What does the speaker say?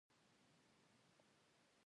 کارګران د ټولنې اصلي مصرف کوونکي دي